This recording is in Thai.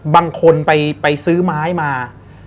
บางคนไปซื้อไม้มา